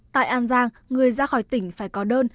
tại an giang người ra khỏi tỉnh phải có đơn